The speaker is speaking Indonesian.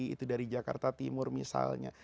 itu dari jakarta timur misalnya